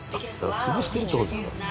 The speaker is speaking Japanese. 潰してるって事ですか？